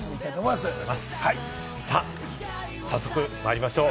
早速まいりましょう。